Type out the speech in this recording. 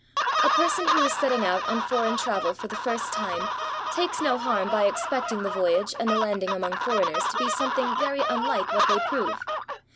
A person who is setting out on foreign travel for the first time, takes no harm by expecting the voyage and the landing among foreigners to be something very unlike what they prove.